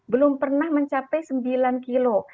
belum pernah mencapai sembilan kilo